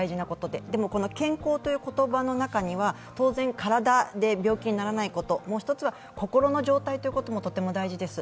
でもその健康という言葉の中には当然、体で病気にならないこと、もう一つは心の状態ということもとても大事です。